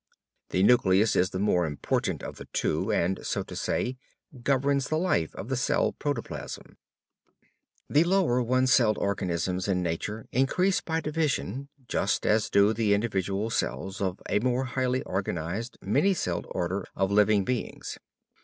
The nucleus is the more important of the two and, so to say, governs the life of the cell protoplasm. The lower one celled organisms in nature increase by division, just as do the individual cells of a more highly organized, many celled order of living beings.